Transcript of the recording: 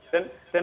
dan harusnya apa